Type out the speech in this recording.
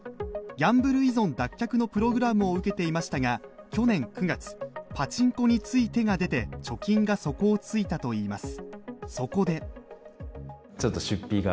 ギャンブル依存脱却のプログラムを受けていましたが去年９月、パチンコについ手が出て貯金が底をついたといいます。